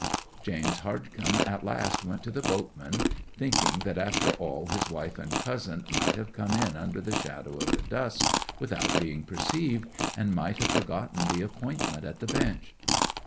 James Hardcome at last went to the boatman, thinking that after all his wife and cousin might have come in under shadow of the dusk without being perceived, and might have forgotten the appointment at the bench.